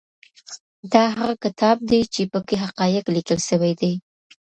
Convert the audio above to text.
دا هغه کتاب دی چي په کي حقایق لیکل سوي دي.